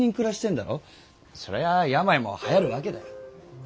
そりゃ病もはやるわけだよ。